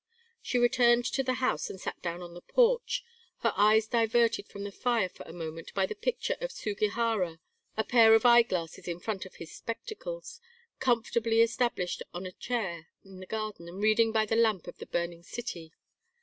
She returned to the house and sat down on the porch, her eyes diverted from the fire for a moment by the picture of Sugihara, a pair of eye glasses in front of his spectacles, comfortably established on a chair in the garden and reading by the lamp of the burning city.